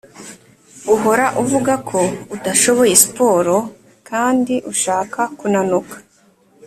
Uhora uvugako udashoboye sport kndi ushaka kunanuka